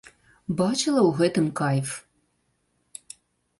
Бачыла ў гэтым кайф.